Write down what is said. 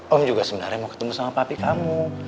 om juga sebenarnya mau ketemu sama papi kamu